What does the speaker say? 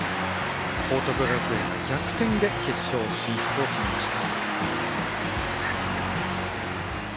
報徳学園が逆転で決勝進出を決めました。